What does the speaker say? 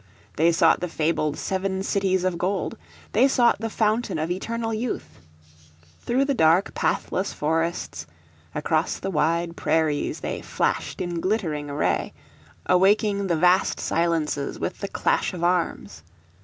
They sought the fabled seven cities of gold, they sought the fountain of eternal youth. Through the dark pathless forests, across the wide prairies they flashed in glittering array, awaking the vast silences with the clash of arms.